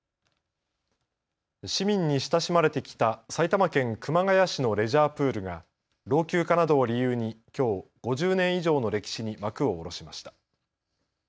市民に親しまれてきた埼玉県熊谷市のレジャープールが老朽化などを理由にきょう５０年以上の歴史に幕を下ろしました。